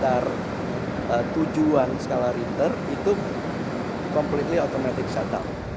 jadi kalau kita sudah di atas tujuh skala richter itu completely automatic shut down